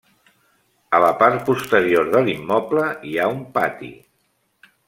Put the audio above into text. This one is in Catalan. A la part posterior de l'immoble hi ha un pati.